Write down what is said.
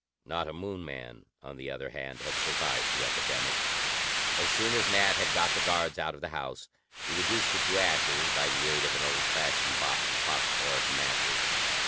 Not a Moon man, on the other hand, had survived the epidemic. As soon as Nat had got the guards out of the house, he reduced it to ashes by the aid of an old fashioned box of phosphoric matches.